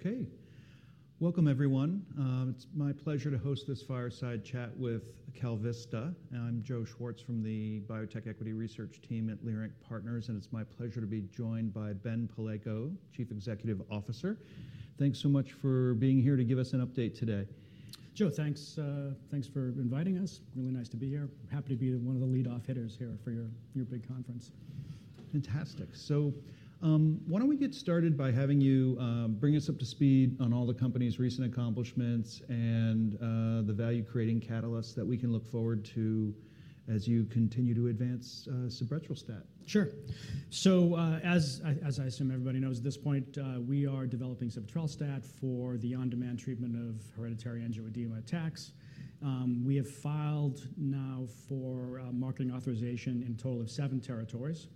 Okay. Welcome, everyone. It's my pleasure to host this fireside chat with KalVista. I'm Joe Schwartz from the Biotech Equity Research Team at Leerink Partners, and it's my pleasure to be joined by Ben Palleiko, Chief Executive Officer. Thanks so much for being here to give us an update today. Joe, thanks. Thanks for inviting us. Really nice to be here. Happy to be one of the lead-off hitters here for your big conference. Fantastic. Why don't we get started by having you bring us up to speed on all the company's recent accomplishments and the value-creating catalysts that we can look forward to as you continue to advance sebetralstat? Sure. As I assume everybody knows at this point, we are developing sebetralstat for the on-demand treatment of hereditary angioedema attacks. We have filed now for marketing authorization in a total of seven territories,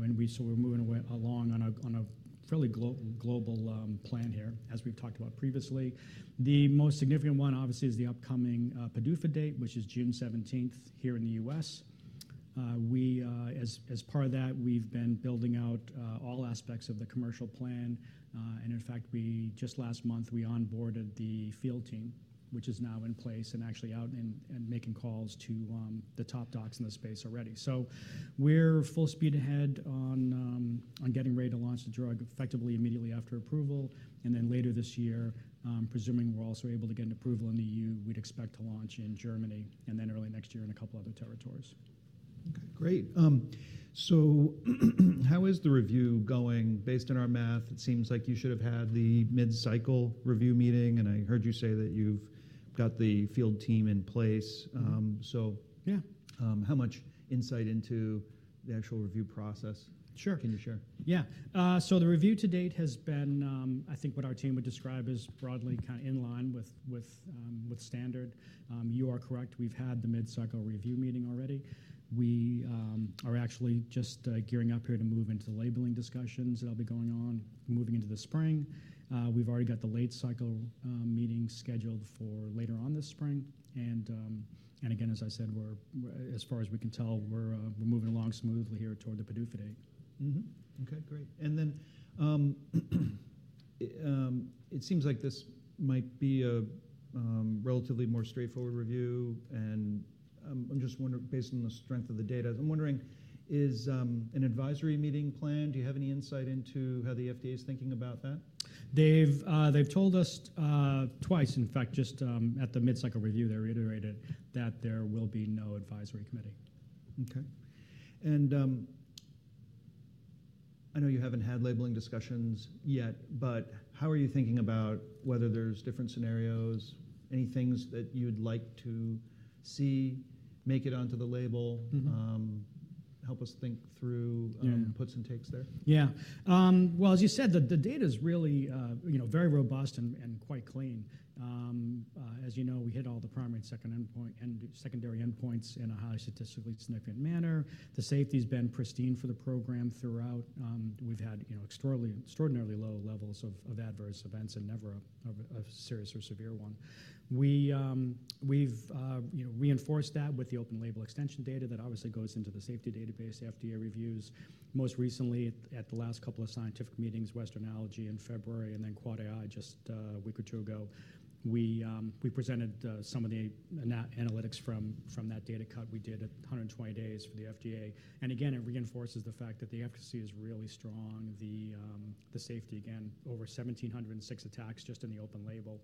and we are moving along on a fairly global plan here, as we have talked about previously. The most significant one, obviously, is the upcoming PDUFA date, which is June 17th here in the U.S. As part of that, we have been building out all aspects of the commercial plan, and in fact, just last month, we onboarded the field team, which is now in place and actually out and making calls to the top docs in the space already. We're full speed ahead on getting ready to launch the drug effectively immediately after approval, and then later this year, presuming we're also able to get an approval in the EU, we'd expect to launch in Germany and then early next year in a couple of other territories. Okay, great. How is the review going? Based on our math, it seems like you should have had the mid-cycle review meeting, and I heard you say that you've got the field team in place. How much insight into the actual review process can you share? Sure. Yeah. The review to date has been, I think, what our team would describe as broadly kind of in line with standard. You are correct. We've had the mid-cycle review meeting already. We are actually just gearing up here to move into labeling discussions that'll be going on moving into the spring. We've already got the late-cycle meeting scheduled for later on this spring. Again, as I said, as far as we can tell, we're moving along smoothly here toward the PDUFA date. Okay, great. It seems like this might be a relatively more straightforward review, and I'm just wondering, based on the strength of the data, I'm wondering, is an advisory committee meeting planned? Do you have any insight into how the FDA is thinking about that? They've told us twice, in fact, just at the mid-cycle review they reiterated that there will be no advisory committee. Okay. I know you haven't had labeling discussions yet, but how are you thinking about whether there's different scenarios, any things that you'd like to see make it onto the label, help us think through puts and takes there? Yeah. As you said, the data is really very robust and quite clean. As you know, we hit all the primary and secondary endpoints in a highly statistically significant manner. The safety has been pristine for the program throughout. We've had extraordinarily low levels of adverse events and never a serious or severe one. We've reinforced that with the open label extension data that obviously goes into the safety database, FDA reviews. Most recently, at the last couple of scientific meetings, Western Allergy in February, and then AAAAI just a week or two ago, we presented some of the analytics from that data cut we did at 120 days for the FDA. Again, it reinforces the fact that the efficacy is really strong. The safety, again, over 1,706 attacks just in the open label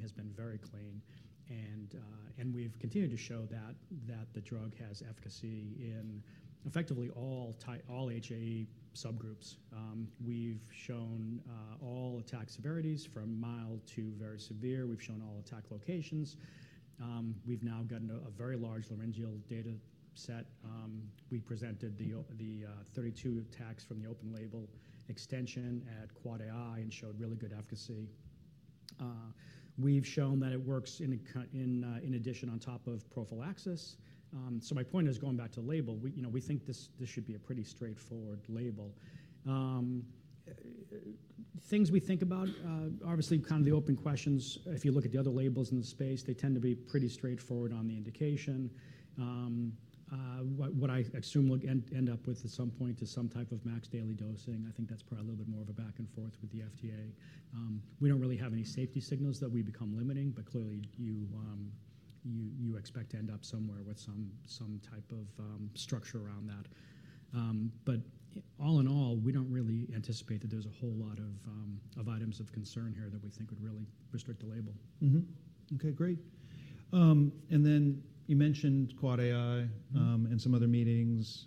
has been very clean, and we've continued to show that the drug has efficacy in effectively all HAE subgroups. We've shown all attack severities from mild to very severe. We've shown all attack locations. We've now gotten a very large laryngeal data set. We presented the 32 attacks from the open label extension at AAAAI and showed really good efficacy. We've shown that it works in addition on top of prophylaxis. My point is, going back to the label, we think this should be a pretty straightforward label. Things we think about, obviously, kind of the open questions, if you look at the other labels in the space, they tend to be pretty straightforward on the indication. What I assume we'll end up with at some point is some type of max daily dosing. I think that's probably a little bit more of a back and forth with the FDA. We don't really have any safety signals that we become limiting, but clearly you expect to end up somewhere with some type of structure around that. All in all, we don't really anticipate that there's a whole lot of items of concern here that we think would really restrict the label. Okay, great. You mentioned AAAAI and some other meetings.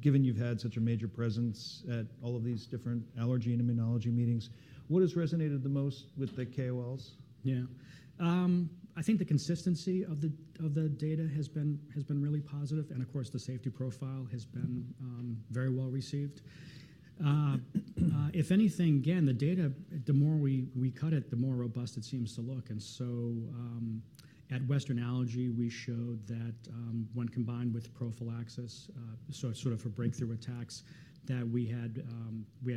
Given you've had such a major presence at all of these different allergy and immunology meetings, what has resonated the most with the KOLs? Yeah. I think the consistency of the data has been really positive, and of course, the safety profile has been very well received. If anything, again, the data, the more we cut it, the more robust it seems to look. At Western Allergy, we showed that when combined with prophylaxis, so sort of for breakthrough attacks, that we had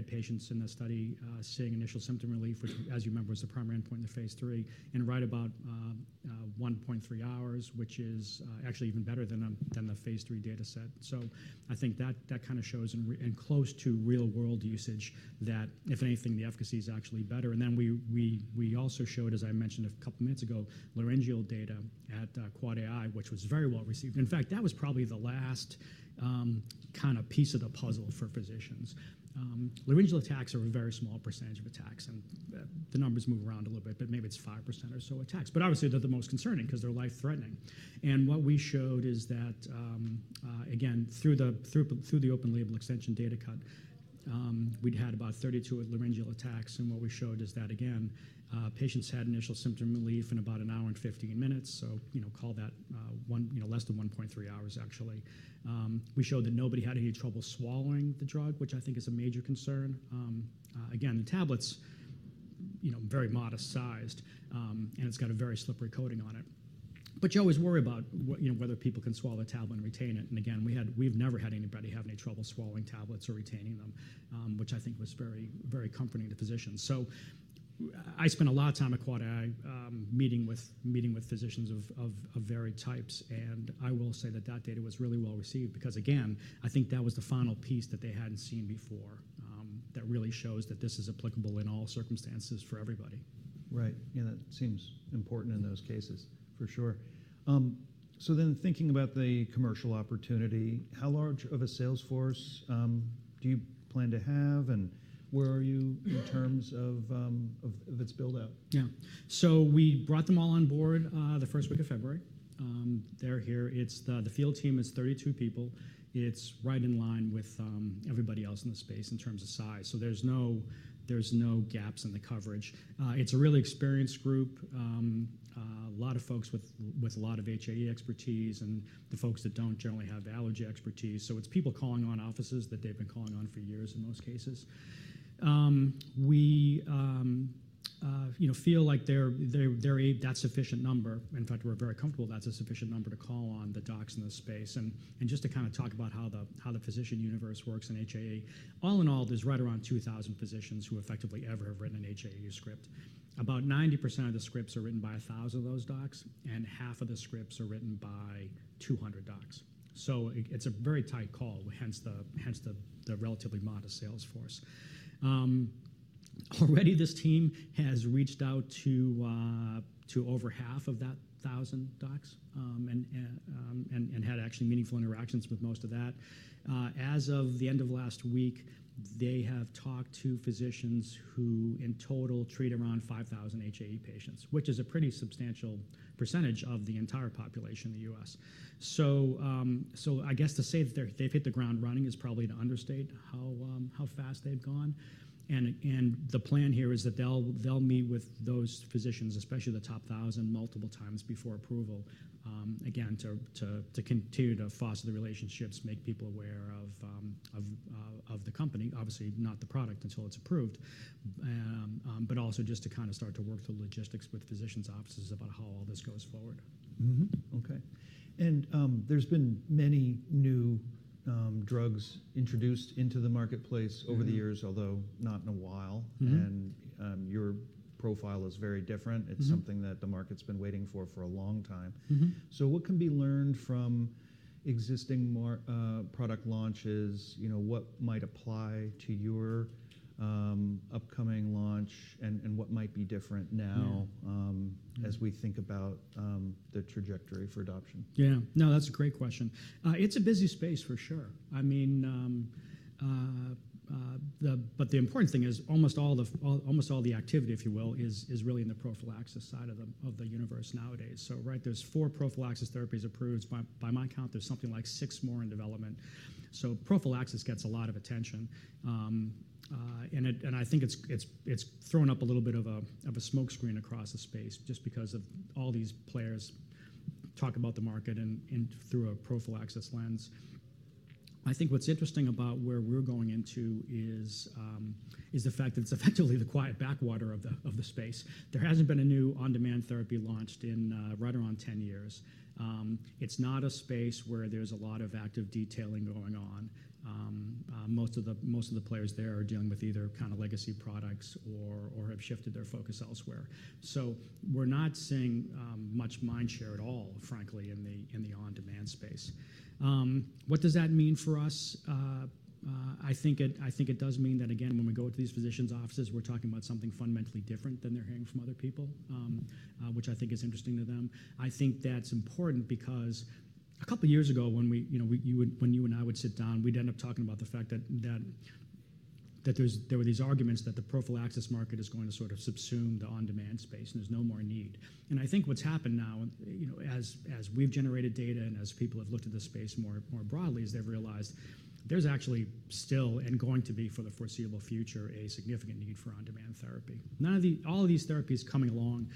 patients in the study seeing initial symptom relief, which, as you remember, was the primary endpoint in the phase three, in right about 1.3 hours, which is actually even better than the phase three data set. I think that kind of shows in close to real-world usage that, if anything, the efficacy is actually better. We also showed, as I mentioned a couple of minutes ago, laryngeal data at AAAAI, which was very well received. In fact, that was probably the last kind of piece of the puzzle for physicians. Laryngeal attacks are a very small percentage of attacks, and the numbers move around a little bit, but maybe it's 5% or so of attacks. Obviously, they're the most concerning because they're life-threatening. What we showed is that, again, through the open label extension data cut, we'd had about 32 laryngeal attacks, and what we showed is that, again, patients had initial symptom relief in about an hour and 15 minutes, so call that less than 1.3 hours, actually. We showed that nobody had any trouble swallowing the drug, which I think is a major concern. Again, the tablet's very modest sized, and it's got a very slippery coating on it. You always worry about whether people can swallow a tablet and retain it, and again, we've never had anybody have any trouble swallowing tablets or retaining them, which I think was very comforting to physicians. I spent a lot of time at AAAAI meeting with physicians of various types, and I will say that that data was really well received because, again, I think that was the final piece that they hadn't seen before that really shows that this is applicable in all circumstances for everybody. Right. Yeah, that seems important in those cases, for sure. Thinking about the commercial opportunity, how large of a sales force do you plan to have, and where are you in terms of its build-out? Yeah. We brought them all on board the first week of February. They're here. The field team is 32 people. It's right in line with everybody else in the space in terms of size, so there's no gaps in the coverage. It's a really experienced group, a lot of folks with a lot of HAE expertise and the folks that don't generally have allergy expertise. It's people calling on offices that they've been calling on for years in most cases. We feel like that's a sufficient number. In fact, we're very comfortable that's a sufficient number to call on the docs in the space and just to kind of talk about how the physician universe works in HAE. All in all, there's right around 2,000 physicians who effectively ever have written an HAE script. About 90% of the scripts are written by 1,000 of those docs, and half of the scripts are written by 200 docs. It is a very tight call, hence the relatively modest sales force. Already, this team has reached out to over half of that 1,000 docs and had actually meaningful interactions with most of that. As of the end of last week, they have talked to physicians who in total treat around 5,000 HAE patients, which is a pretty substantial percentage of the entire population in the U.S. I guess to say that they've hit the ground running is probably to understate how fast they've gone. The plan here is that they'll meet with those physicians, especially the top 1,000, multiple times before approval, again, to continue to foster the relationships, make people aware of the company, obviously not the product until it's approved, but also just to kind of start to work through logistics with physicians' offices about how all this goes forward. Okay. There have been many new drugs introduced into the marketplace over the years, although not in a while, and your profile is very different. It is something that the market's been waiting for for a long time. What can be learned from existing product launches? What might apply to your upcoming launch, and what might be different now as we think about the trajectory for adoption? Yeah. No, that's a great question. It's a busy space, for sure. I mean, but the important thing is almost all the activity, if you will, is really in the prophylaxis side of the universe nowadays. Right, there's four prophylaxis therapies approved. By my count, there's something like six more in development. Prophylaxis gets a lot of attention, and I think it's throwing up a little bit of a smoke screen across the space just because of all these players talking about the market and through a prophylaxis lens. I think what's interesting about where we're going into is the fact that it's effectively the quiet backwater of the space. There hasn't been a new on-demand therapy launched in right around 10 years. It's not a space where there's a lot of active detailing going on. Most of the players there are dealing with either kind of legacy products or have shifted their focus elsewhere. We are not seeing much mind share at all, frankly, in the on-demand space. What does that mean for us? I think it does mean that, again, when we go to these physicians' offices, we are talking about something fundamentally different than they are hearing from other people, which I think is interesting to them. I think that is important because a couple of years ago, when you and I would sit down, we would end up talking about the fact that there were these arguments that the prophylaxis market is going to sort of subsume the on-demand space and there is no more need. I think what's happened now, as we've generated data and as people have looked at the space more broadly, is they've realized there's actually still and going to be for the foreseeable future a significant need for on-demand therapy. All of these therapies coming along,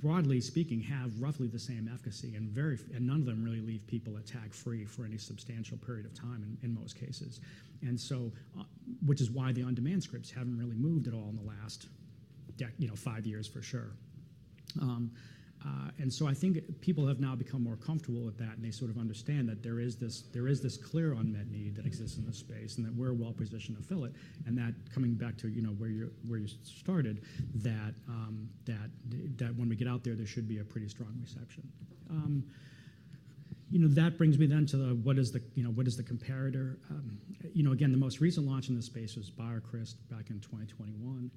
broadly speaking, have roughly the same efficacy, and none of them really leave people attack-free for any substantial period of time in most cases, which is why the on-demand scripts haven't really moved at all in the last five years, for sure. I think people have now become more comfortable with that, and they sort of understand that there is this clear unmet need that exists in the space and that we're well positioned to fill it. Coming back to where you started, when we get out there, there should be a pretty strong reception. That brings me then to what is the comparator? Again, the most recent launch in the space was BioCryst back in 2021.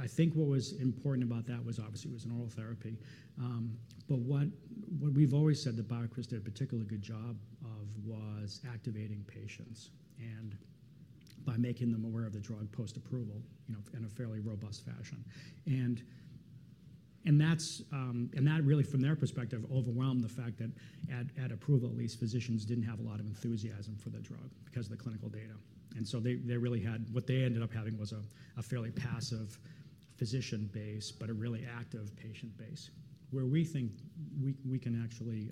I think what was important about that was obviously it was an oral therapy. What we've always said that BioCryst did a particularly good job of was activating patients by making them aware of the drug post-approval in a fairly robust fashion. That really, from their perspective, overwhelmed the fact that at approval, at least, physicians did not have a lot of enthusiasm for the drug because of the clinical data. They really had what they ended up having, which was a fairly passive physician base, but a really active patient base. Where we think we can actually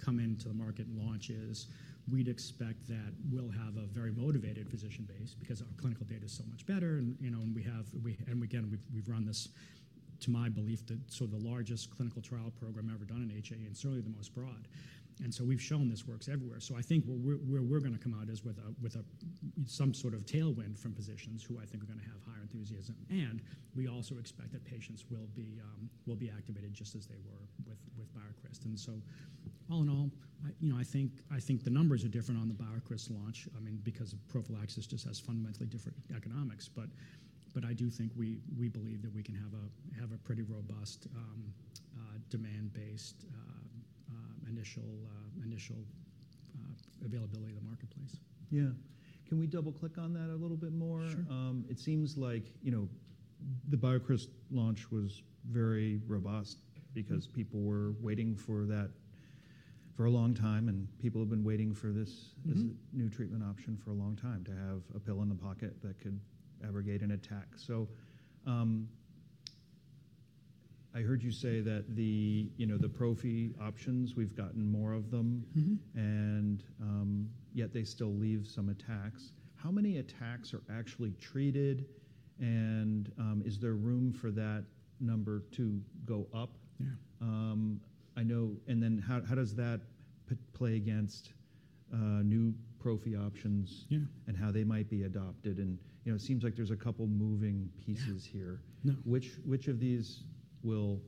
come into the market and launch is we'd expect that we'll have a very motivated physician base because our clinical data is so much better, and we have, and again, we've run this, to my belief, sort of the largest clinical trial program ever done in HAE and certainly the most broad. We've shown this works everywhere. I think where we're going to come out is with some sort of tailwind from physicians who I think are going to have higher enthusiasm. We also expect that patients will be activated just as they were with BioCryst. All in all, I think the numbers are different on the BioCryst launch, I mean, because prophylaxis just has fundamentally different economics. I do think we believe that we can have a pretty robust demand-based initial availability of the marketplace. Yeah. Can we double-click on that a little bit more? Sure. It seems like the BioCryst launch was very robust because people were waiting for that for a long time, and people have been waiting for this new treatment option for a long time to have a pill in the pocket that could abrogate an attack. I heard you say that the prophy options, we've gotten more of them, and yet they still leave some attacks. How many attacks are actually treated, and is there room for that number to go up? Yeah. I know, and then how does that play against new Prophy options and how they might be adopted? It seems like there's a couple moving pieces here. Which of these will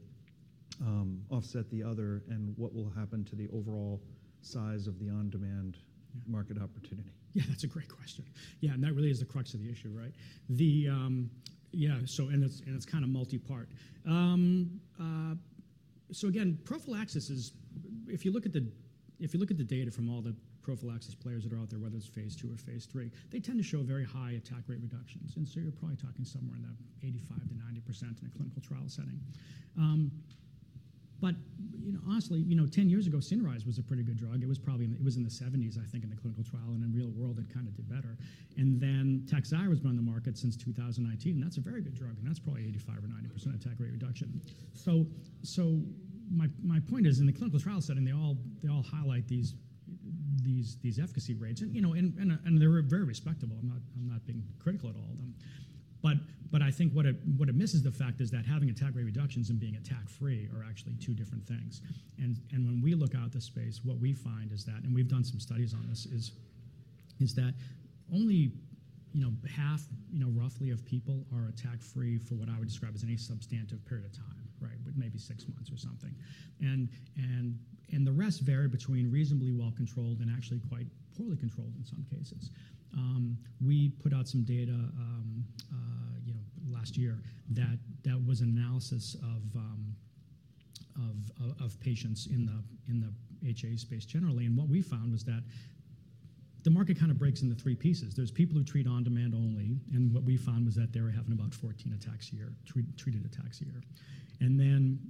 offset the other, and what will happen to the overall size of the on-demand market opportunity? Yeah, that's a great question. Yeah, and that really is the crux of the issue, right? Yeah, and it's kind of multi-part. So again, prophylaxis is, if you look at the data from all the prophylaxis players that are out there, whether it's phase two or phase three, they tend to show very high attack-rate reductions. And so you're probably talking somewhere in that 85-90% in a clinical trial setting. Honestly, 10 years ago, Cinryze was a pretty good drug. It was in the 70s, I think, in the clinical trial, and in real world, it kind of did better. Takhzyro has been on the market since 2019, and that's a very good drug, and that's probably 85-90% attack-rate reduction. My point is, in the clinical trial setting, they all highlight these efficacy rates, and they're very respectable. I'm not being critical at all of them. I think what it misses the fact is that having attack-rate reductions and being attack-free are actually two different things. When we look out the space, what we find is that, and we've done some studies on this, only half, roughly, of people are attack-free for what I would describe as any substantive period of time, right, with maybe six months or something. The rest vary between reasonably well-controlled and actually quite poorly controlled in some cases. We put out some data last year that was an analysis of patients in the HAE space generally. What we found was that the market kind of breaks into three pieces. There's people who treat on-demand only, and what we found was that they were having about 14 attacks a year, treated attacks a year.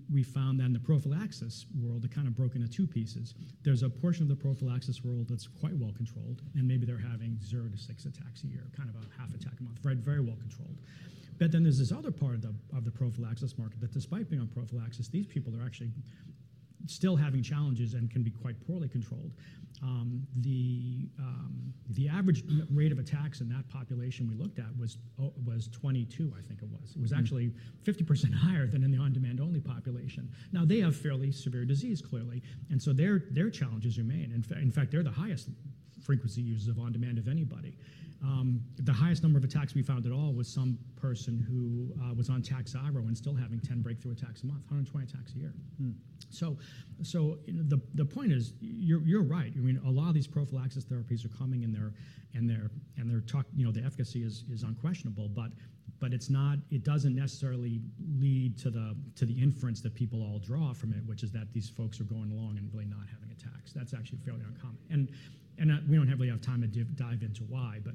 We found that in the prophylaxis world, it kind of broke into two pieces. There's a portion of the prophylaxis world that's quite well-controlled, and maybe they're having zero to six attacks a year, kind of a half attack a month, very well-controlled. There is this other part of the prophylaxis market that, despite being on prophylaxis, these people are actually still having challenges and can be quite poorly controlled. The average rate of attacks in that population we looked at was 22, I think it was. It was actually 50% higher than in the on-demand-only population. Now, they have fairly severe disease, clearly, and so their challenges remain. In fact, they're the highest frequency users of on-demand of anybody. The highest number of attacks we found at all was some person who was on Takhzyro and still having 10 breakthrough attacks a month, 120 attacks a year. The point is, you're right. I mean, a lot of these prophylaxis therapies are coming, and the efficacy is unquestionable, but it doesn't necessarily lead to the inference that people all draw from it, which is that these folks are going along and really not having attacks. That's actually fairly uncommon. We don't have really enough time to dive into why, but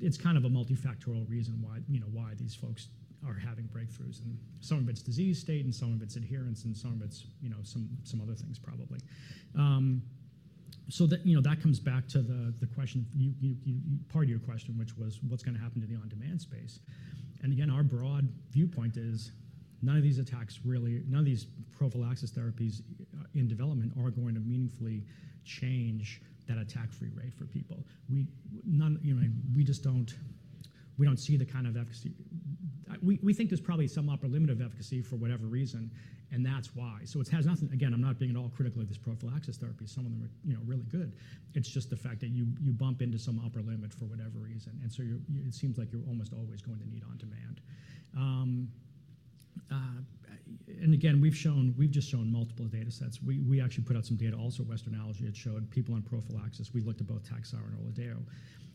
it's kind of a multifactorial reason why these folks are having breakthroughs, and some of it's disease state, and some of it's adherence, and some of it's some other things, probably. That comes back to the question, part of your question, which was, what's going to happen to the on-demand space? Our broad viewpoint is none of these attacks really, none of these prophylaxis therapies in development are going to meaningfully change that attack-free rate for people. We just do not see the kind of efficacy. We think there is probably some upper limit of efficacy for whatever reason, and that is why. It has nothing, again, I am not being at all critical of these prophylaxis therapies. Some of them are really good. It is just the fact that you bump into some upper limit for whatever reason. It seems like you are almost always going to need on-demand. We have just shown multiple data sets. We actually put out some data also, Western Allergy had showed people on prophylaxis. We looked at both Takhzyro and Orladeyo,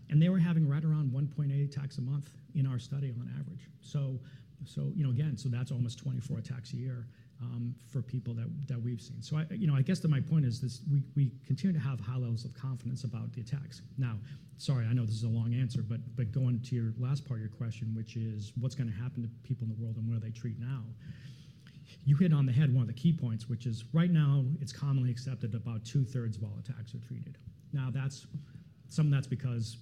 and they were having right around 1.8 attacks a month in our study on average. Again, that's almost 24 attacks a year for people that we've seen. I guess that my point is we continue to have high levels of confidence about the attacks. Now, sorry, I know this is a long answer, but going to your last part of your question, which is what's going to happen to people in the world and where they treat now, you hit on the head one of the key points, which is right now, it's commonly accepted about two-thirds of all attacks are treated. Now, some of that's because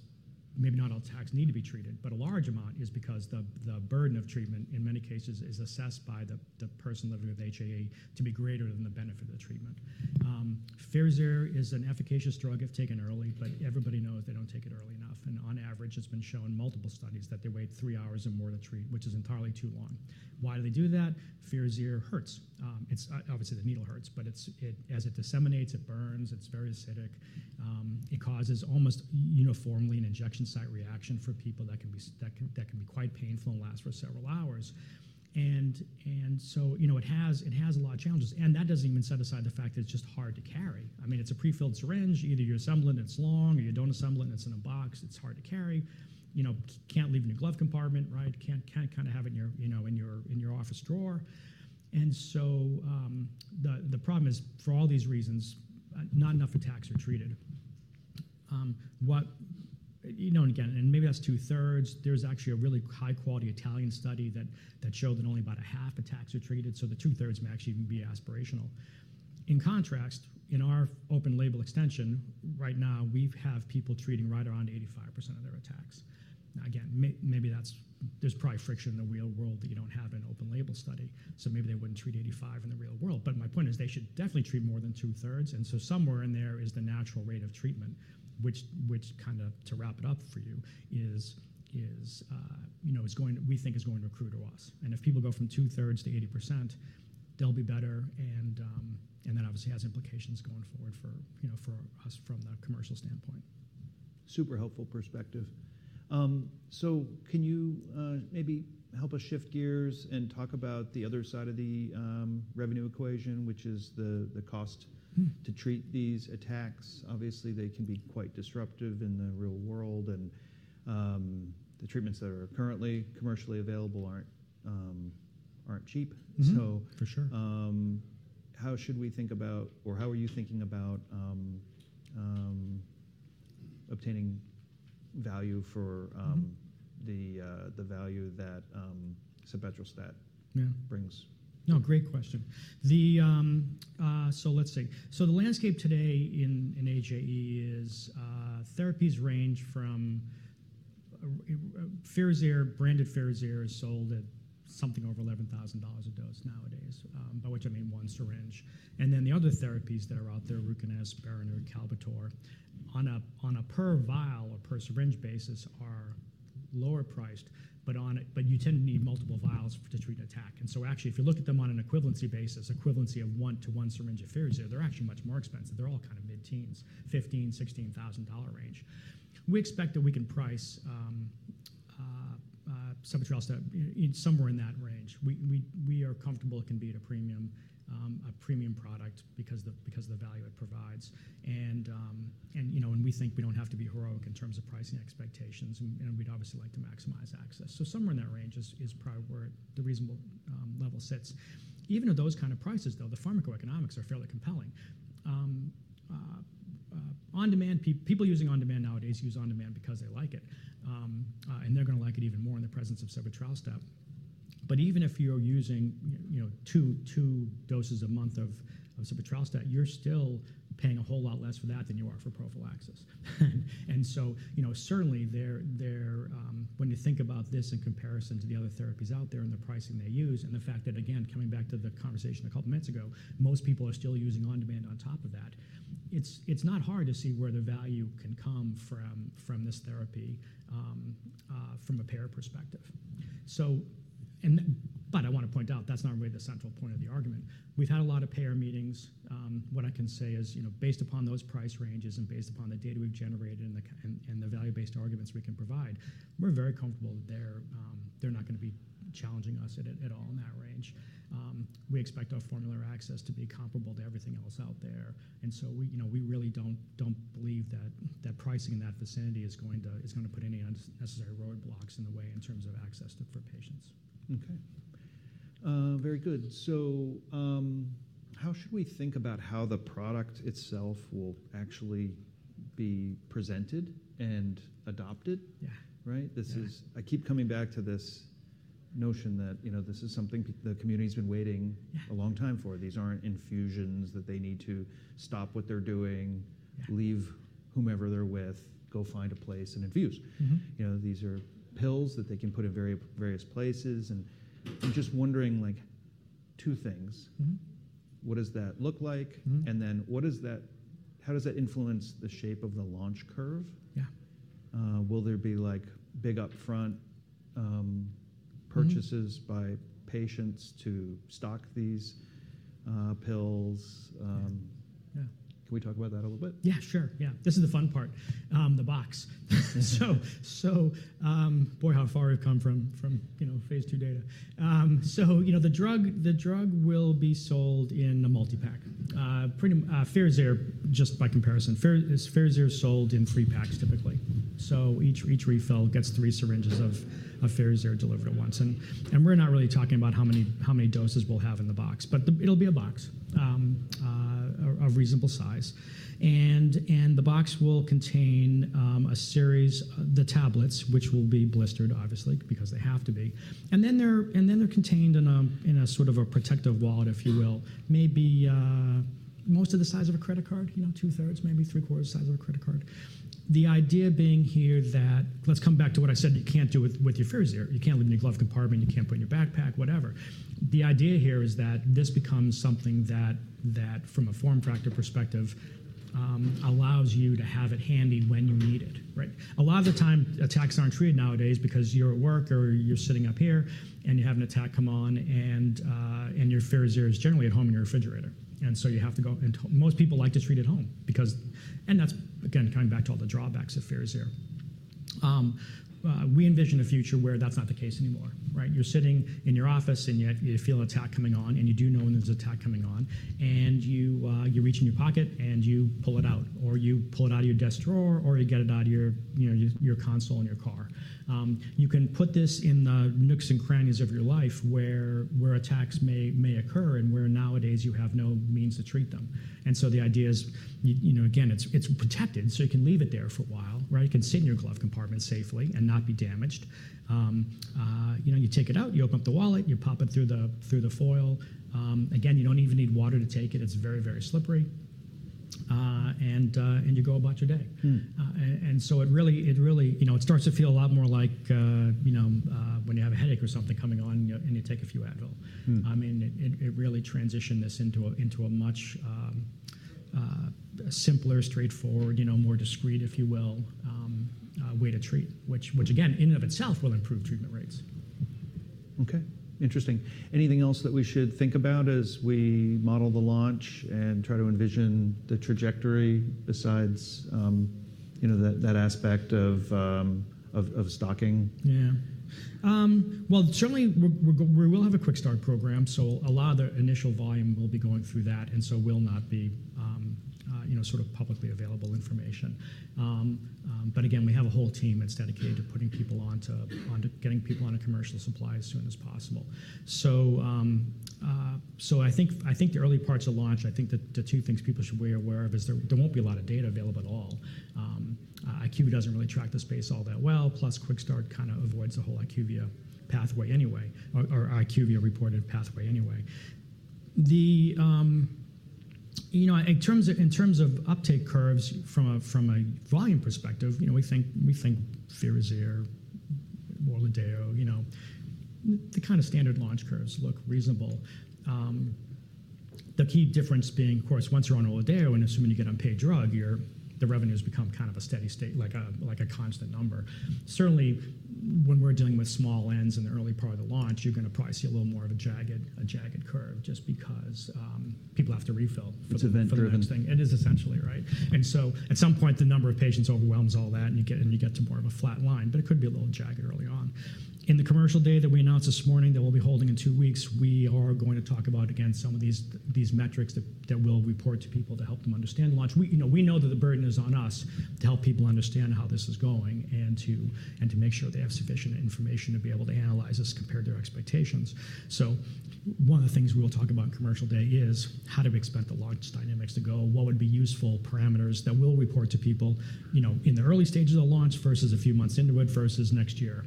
maybe not all attacks need to be treated, but a large amount is because the burden of treatment in many cases is assessed by the person living with HAE to be greater than the benefit of the treatment. Firazyr is an efficacious drug if taken early, but everybody knows they don't take it early enough. On average, it's been shown in multiple studies that they wait three hours or more to treat, which is entirely too long. Why do they do that? Firazyr hurts. Obviously, the needle hurts, but as it disseminates, it burns, it's very acidic. It causes almost uniformly an injection site reaction for people that can be quite painful and last for several hours. It has a lot of challenges. That does not even set aside the fact that it's just hard to carry. I mean, it's a prefilled syringe. Either you assemble it and it's long, or you do not assemble it and it's in a box, it's hard to carry. You cannot leave it in your glove compartment, right? You cannot kind of have it in your office drawer. The problem is, for all these reasons, not enough attacks are treated. Again, maybe that is two-thirds. There is actually a really high-quality Italian study that showed that only about half of attacks are treated, so the two-thirds may actually even be aspirational. In contrast, in our open-label extension right now, we have people treating right around 85% of their attacks. Now, maybe there is probably friction in the real world that you do not have in an open-label study, so maybe they would not treat 85% in the real world. My point is they should definitely treat more than two-thirds. Somewhere in there is the natural rate of treatment, which, to wrap it up for you, we think is going to accrue to us. If people go from two-thirds to 80%, they will be better, and that obviously has implications going forward for us from the commercial standpoint. Super helpful perspective. Can you maybe help us shift gears and talk about the other side of the revenue equation, which is the cost to treat these attacks? Obviously, they can be quite disruptive in the real world, and the treatments that are currently commercially available aren't cheap. How should we think about, or how are you thinking about obtaining value for the value that sebetralstat brings? No, great question. Let's see. The landscape today in HAE is therapies range from Firazyr, branded Firazyr is sold at something over $11,000 a dose nowadays, by which I mean one syringe. The other therapies that are out there, Ruconest, Berinert, or Kalbitor, on a per vial or per syringe basis are lower priced, but you tend to need multiple vials to treat an attack. Actually, if you look at them on an equivalency basis, equivalency of one to one syringe of Firazyr, they're actually much more expensive. They're all kind of mid-teens, $15,000-$16,000 range. We expect that we can price sebetralstat somewhere in that range. We are comfortable it can be a premium product because of the value it provides. We think we do not have to be heroic in terms of pricing expectations, and we would obviously like to maximize access. Somewhere in that range is probably where the reasonable level sits. Even at those kind of prices, though, the pharmacoeconomics are fairly compelling. On-demand, people using on-demand nowadays use on-demand because they like it, and they are going to like it even more in the presence of sebetralstat. Even if you are using two doses a month of sebetralstat, you are still paying a whole lot less for that than you are for prophylaxis. Certainly, when you think about this in comparison to the other therapies out there and the pricing they use, and the fact that, again, coming back to the conversation a couple of minutes ago, most people are still using on-demand on top of that, it's not hard to see where the value can come from this therapy from a payer perspective. I want to point out that's not really the central point of the argument. We've had a lot of payer meetings. What I can say is, based upon those price ranges and based upon the data we've generated and the value-based arguments we can provide, we're very comfortable that they're not going to be challenging us at all in that range. We expect our formulary access to be comparable to everything else out there. We really don't believe that pricing in that vicinity is going to put any unnecessary roadblocks in the way in terms of access for patients. Okay. Very good. How should we think about how the product itself will actually be presented and adopted, right? I keep coming back to this notion that this is something the community has been waiting a long time for. These aren't infusions that they need to stop what they're doing, leave whomever they're with, go find a place and infuse. These are pills that they can put in various places. I'm just wondering two things. What does that look like? How does that influence the shape of the launch curve? Will there be big upfront purchases by patients to stock these pills? Can we talk about that a little bit? Yeah, sure. Yeah. This is the fun part, the box. Boy, how far we've come from phase two data. The drug will be sold in a multi-pack. Firazyr, just by comparison, Firazyr is sold in three packs typically. Each refill gets three syringes of Firazyr delivered at once. We're not really talking about how many doses we'll have in the box, but it'll be a box of reasonable size. The box will contain a series of the tablets, which will be blistered, obviously, because they have to be. They're contained in a sort of a protective wallet, if you will, maybe most of the size of a credit card, two-thirds, maybe three-quarters of the size of a credit card. The idea being here that let's come back to what I said you can't do with your Firazyr. You can't leave it in your glove compartment. You can't put it in your backpack, whatever. The idea here is that this becomes something that, from a form factor perspective, allows you to have it handy when you need it, right? A lot of the time, attacks aren't treated nowadays because you're at work or you're sitting up here and you have an attack come on, and your Firazyr is generally at home in your refrigerator. You have to go. Most people like to treat at home because, and that's, again, coming back to all the drawbacks of Firazyr. We envision a future where that's not the case anymore, right? You're sitting in your office and you feel an attack coming on, and you do know when there's an attack coming on, and you reach in your pocket and you pull it out, or you pull it out of your desk drawer, or you get it out of your console in your car. You can put this in the nooks and crannies of your life where attacks may occur and where nowadays you have no means to treat them. The idea is, again, it's protected, so you can leave it there for a while, right? It can sit in your glove compartment safely and not be damaged. You take it out, you open up the wallet, you pop it through the foil. Again, you don't even need water to take it. It's very, very slippery, and you go about your day. It really starts to feel a lot more like when you have a headache or something coming on and you take a few Advil. I mean, it really transitioned this into a much simpler, straightforward, more discreet, if you will, way to treat, which, again, in and of itself will improve treatment rates. Okay. Interesting. Anything else that we should think about as we model the launch and try to envision the trajectory besides that aspect of stocking? Yeah. Certainly, we will have a Quick Start program, so a lot of the initial volume will be going through that, and so will not be sort of publicly available information. Again, we have a whole team that's dedicated to putting people onto getting people onto commercial supplies as soon as possible. I think the early parts of launch, I think the two things people should be aware of is there won't be a lot of data available at all. IQVIA doesn't really track the space all that well, plus Quick Start kind of avoids the whole IQVIA pathway anyway, or IQVIA reported pathway anyway. In terms of uptake curves from a volume perspective, we think Firazyr, Orladeyo, the kind of standard launch curves look reasonable. The key difference being, of course, once you're on Orladeyo and assuming you get unpaid drug, the revenues become kind of a steady state, like a constant number. Certainly, when we're dealing with small ends in the early part of the launch, you're going to probably see a little more of a jagged curve just because people have to refill for the first thing. It's event-driven. It is essentially, right? At some point, the number of patients overwhelms all that, and you get to more of a flat line, but it could be a little jagged early on. In the commercial data that we announced this morning that we will be holding in two weeks, we are going to talk about, again, some of these metrics that we will report to people to help them understand the launch. We know that the burden is on us to help people understand how this is going and to make sure they have sufficient information to be able to analyze this and compare their expectations. One of the things we will talk about in commercial day is how do we expect the launch dynamics to go, what would be useful parameters that we'll report to people in the early stages of launch versus a few months into it versus next year.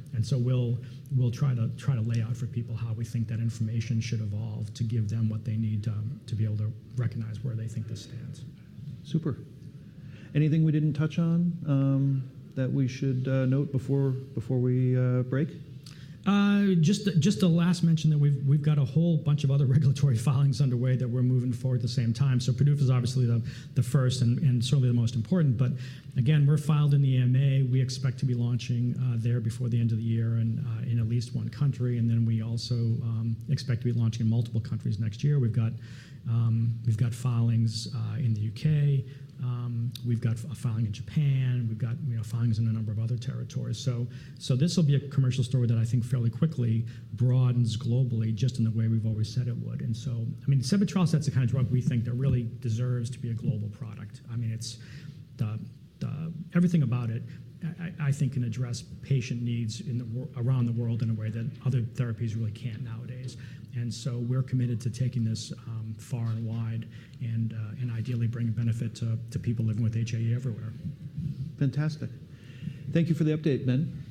We will try to lay out for people how we think that information should evolve to give them what they need to be able to recognize where they think this stands. Super. Anything we didn't touch on that we should note before we break? Just to last mention that we've got a whole bunch of other regulatory filings underway that we're moving forward at the same time. Purdue is obviously the first and certainly the most important, but again, we're filed in the EMA. We expect to be launching there before the end of the year in at least one country. We also expect to be launching in multiple countries next year. We've got filings in the U.K. We've got a filing in Japan. We've got filings in a number of other territories. This will be a commercial story that I think fairly quickly broadens globally just in the way we've always said it would. I mean, sebetralstat's the kind of drug we think that really deserves to be a global product. I mean, everything about it, I think, can address patient needs around the world in a way that other therapies really can't nowadays. We are committed to taking this far and wide and ideally bringing benefit to people living with HAE everywhere. Fantastic. Thank you for the update, Ben.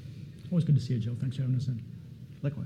Always good to see you, Joe. Thanks for having us in. Likewise.